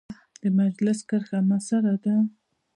د مجلس کرښه مؤثره ده.